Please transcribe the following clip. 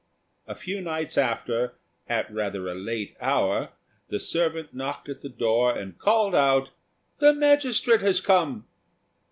A few nights after, at rather a late hour, the servant knocked at the door, and called out, "The magistrate has come!"